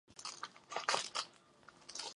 Následně byl pořad zrušen.